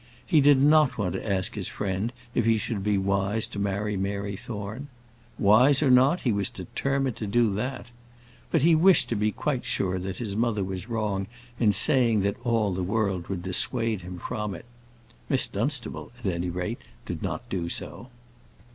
He did not want to ask his friend if he should be wise to marry Mary Thorne. Wise or not, he was determined to do that. But he wished to be quite sure that his mother was wrong in saying that all the world would dissuade him from it. Miss Dunstable, at any rate, did not do so.